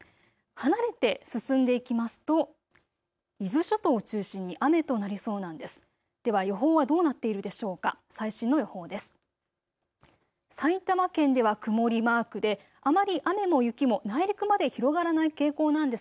離れて進んでいきますと伊豆諸島を中心に雨となりそうなんです。